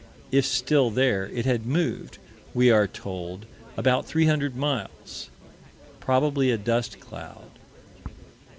If still there, it had moved, we are told, about 300 miles "probably a dust cloud."